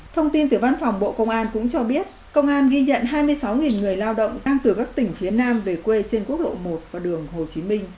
công an ghi nhận hai mươi sáu người lao động đang từ các tỉnh phía nam về quê trên quốc lộ một và đường hồ chí minh